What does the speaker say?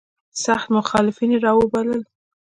سخت مخالفین را وبلل.